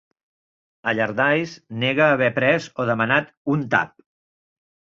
Allardyce nega haver pres o demanat un "tap".